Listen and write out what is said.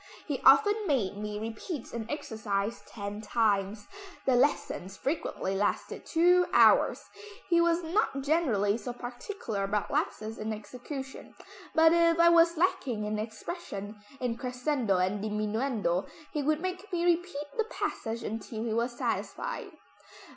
He often made me repeat an exercise ten times. The lessons frequently lasted two hours. He was not generally so particular about lapses in execution, but if I was lacking in expression, in crescendo and diminuendo, he would make me repeat the passage until he was satisfied."